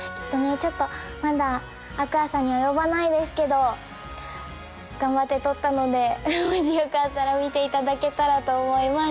ちょっとまだａｑｕａさんには及ばないですけど頑張って撮ったのでもしよかったら見ていただけたらと思います